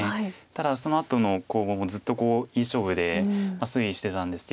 ただそのあとのこうずっとこういい勝負で推移してたんですけれども。